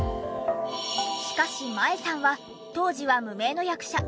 しかし麻恵さんは当時は無名の役者。